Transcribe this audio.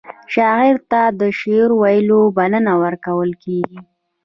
شاعر ته د شعر ویلو بلنه ورکول کیږي.